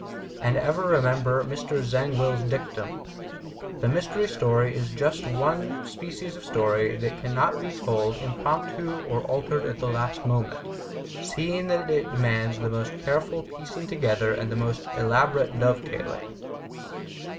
And ever remember Mr. Zangwill's dictum: "The mystery story is just the one species of story that can not be told impromptu or altered at the last moment, seeing that it demands the most careful piecing together and the most elaborate dove tailing."